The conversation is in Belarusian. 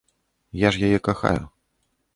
Я ж яе кахаю.